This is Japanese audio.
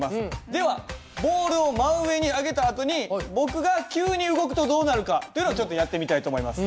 ではボールを真上に上げたあとに僕が急に動くとどうなるかというのをちょっとやってみたいと思います。